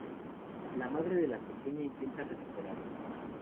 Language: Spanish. La madre de la pequeña intenta recuperarla.